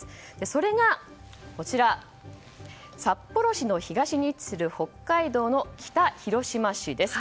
それが札幌市の東に位置する北海道の北広島市です。